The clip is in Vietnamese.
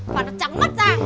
phải nó trắng mắt ra